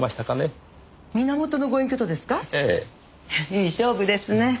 いい勝負ですね。